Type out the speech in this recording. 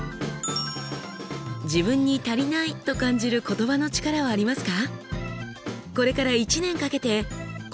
自分に足りないと感じる言葉の力はありますか？